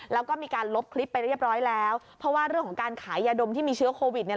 แล้วก็มีการลบคลิปไปเรียบร้อยแล้วเพราะว่าเรื่องของการขายยาดมที่มีเชื้อโควิดเนี่ย